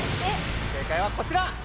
正解はこちら。